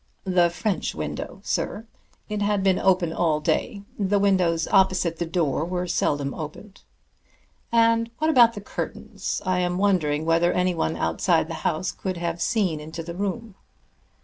"The French window, sir. It had been open all day. The windows opposite the door were seldom opened." "And what about the curtains? I am wondering whether anyone outside the house could have seen into the room."